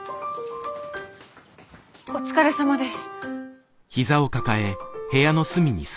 お疲れさまです。